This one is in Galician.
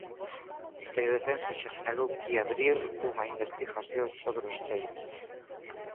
O ministerio de Defensa xa sinalou que ía abrir unha investigación sobre os feitos.